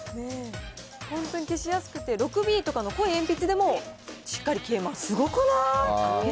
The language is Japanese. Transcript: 本当に消しやすくて、６Ｂとかの濃い鉛筆とかでもしっかり消えます。